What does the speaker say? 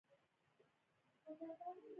آیا رب او غوړي له ایران نه راځي؟